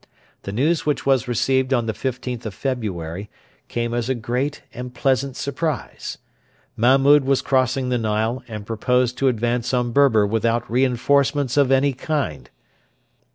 The news which was received on the 15th of February came as a great and pleasant surprise. Mahmud was crossing the Nile and proposed to advance on Berber without reinforcements of any kind.